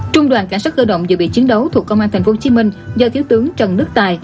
trung đoàn cảnh sát cơ động dự bị chiến đấu thuộc công an tp hcm do thiếu tướng trần đức tài